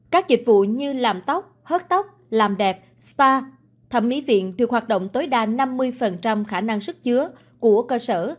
các dịch vụ như làm tóc hớt tóc làm đẹp spa thẩm mỹ viện được hoạt động tối đa năm mươi khả năng sức chứa của cơ sở